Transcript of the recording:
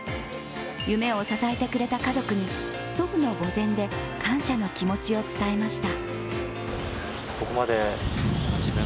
夢を支えてくれた家族に、祖父の墓前で感謝の気持ちを伝えました。